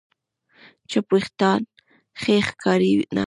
چپ وېښتيان ښې ښکاري نه.